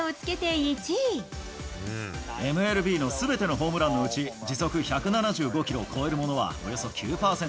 ＭＬＢのすべてのホームランのうち、時速１７５キロを超えるものはおよそ９％。